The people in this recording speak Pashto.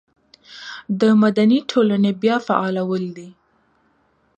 د مدني ټولنې بیا فعالول دي.